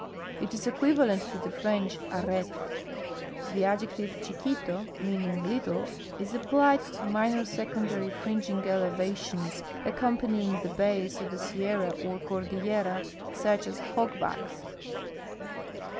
It is equivalent to the French arete. The adjective chiquito, meaning little, is applied to minor secondary fringing elevations accompanying ihe base of a sierra or cordillera, such as " hogbacks."